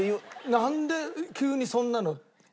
なんで急にそんなのって。